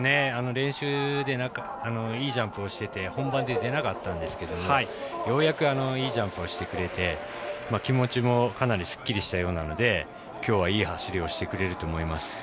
練習でいいジャンプをしてて本番で出なかったんですけどようやくいいジャンプをしてくれて気持ちもかなりすっきりしたようなのできょうはいい走りをしてくれると思います。